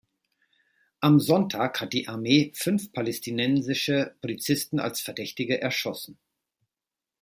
Am Sonntag hat die Armee fünf palästinensische Polizisten als Verdächtige erschossen.